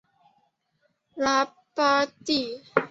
拉巴蒂。